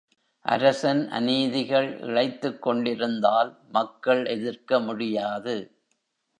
அரசன் அநீதிகள் இழைத்துக்கொண்டிருந்தால் மக்கள் எதிர்க்க முடியாது.